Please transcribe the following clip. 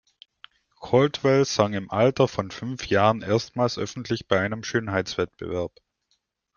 Caldwell sang im Alter von fünf Jahren erstmals öffentlich bei einem Schönheitswettbewerb.